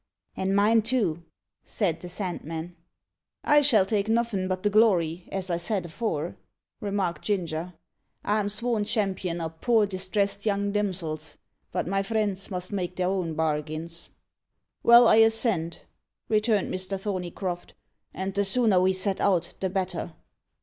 "And mine, too," said the Sandman. "I shall take nuffin' but the glory, as I said afore," remarked Ginger. "I'm sworn champion o' poor distressed young damsils; but my friends must make their own bargins." "Well, I assent," returned Mr. Thorneycroft; "and the sooner we set out the better."